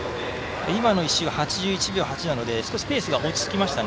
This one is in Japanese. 今の１周８８秒８なので少しペース落ち着きました。